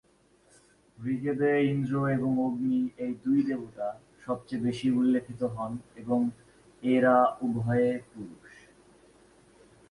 ঋগ্বেদে ইন্দ্র এবং অগ্নি এই দুই দেবতা সবচেয়ে বেশি উল্লিখিত হন এবং এরা উভয়ে পুরুষ।